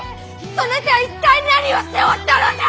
そなた一体何をしておったのじゃ！